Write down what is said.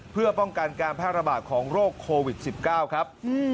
เพื่อป้องกันการแพร่ระบาดของโรคโควิด๑๙ครับ